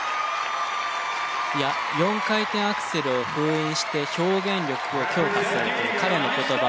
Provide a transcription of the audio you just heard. いや４回転アクセルを封印して表現力を強化するという彼の言葉はだてじゃないです。